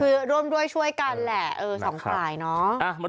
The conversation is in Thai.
คือร่วมด้วยช่วยกันแหละสองฝ่ายเนาะ